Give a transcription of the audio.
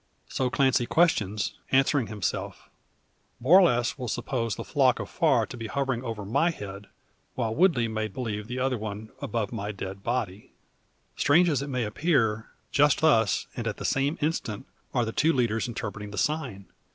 So Clancy questions, answering himself: "Borlasse will suppose the flock afar to be hovering over my head; while Woodley may believe the other one above my dead body!" Strange as it may appear, just thus, and at the same instant, are the two leaders interpreting the sign!